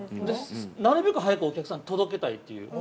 なるべく早くお客さんに届けたいという。